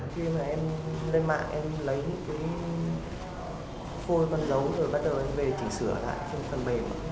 khi mà em lên mạng em lấy cái phôi con dấu rồi bắt đầu em về chỉnh sửa lại trên phần mềm